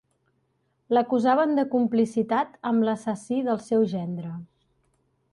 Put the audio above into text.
L'acusaven de complicitat amb l'assassí del seu gendre.